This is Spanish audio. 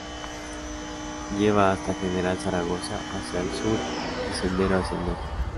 Lleva hasta General Zaragoza hacia el sur y Sendero hacia el norte.